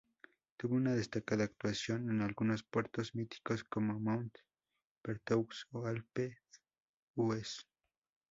Tuvo una destacada actuación en algunos puertos míticos como Mont Ventoux o Alpe d'Huez.